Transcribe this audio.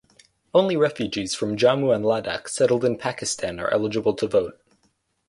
Only refugees from Jammu and Ladakh settled in Pakistan are eligible to vote.